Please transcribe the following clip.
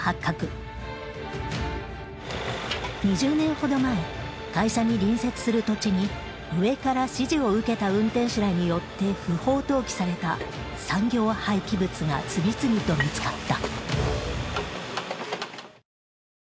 ２０年ほど前会社に隣接する土地に上から指示を受けた運転手らによって不法投棄された産業廃棄物が次々と見つかった。